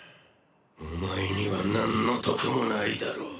お前にはなんの得もないだろう。